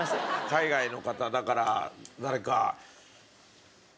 海外の方だから誰か。